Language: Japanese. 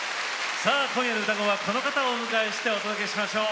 さあ今夜の「うたコン」はこの方をお迎えしてお届けしましょう。